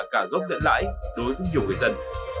cả góp lãi đối với nhiều người dân